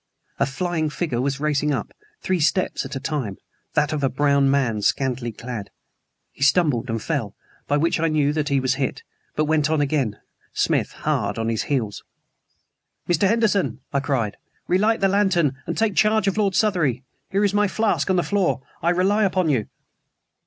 A flying figure was racing up, three steps at a time (that of a brown man scantily clad). He stumbled and fell, by which I knew that he was hit; but went on again, Smith hard on his heels. "Mr. Henderson!" I cried, "relight the lantern and take charge of Lord Southery. Here is my flask on the floor. I rely upon you."